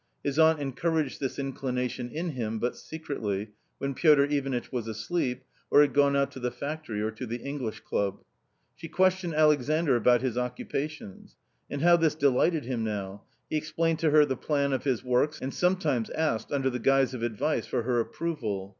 His aunt encouraged this inclination in him, but secretly, when Fiotr Ivanitch was asleep, or had gone out to the factory or to the English Club. r She questioned Alexandr about his occupations. And r~ how this delighted him now ! He explained to her the J , plan of his works and sometimes asked — under the guise of advice for her approval.